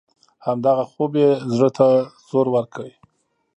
همدغه خوب یې زړه ته زور ورکړ.